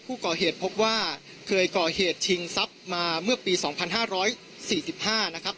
ผู้ก่อเหตุพบว่าเคยก่อเหตุชิงทรัพย์มาเมื่อปีสองพันห้าร้อยสี่สิบห้านะครับ